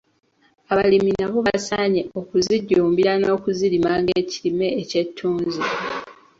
Abalimi nabo basaanye okuzijjumbira n’okuzirima ng’ekirime eky’ettunzi.